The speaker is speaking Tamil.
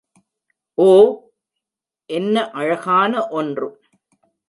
ஓ! என்ன அழகான ஒன்று!